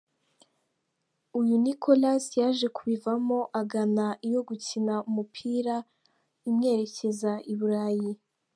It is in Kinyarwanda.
Uyu Nicolas yaje kubivamo agana iyo gukina umupira imwerekeza i Burayi.